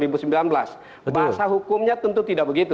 bahasa hukumnya tentu tidak begitu